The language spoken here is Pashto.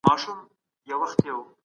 تل د پوهي او علم په لټه کي اوسه.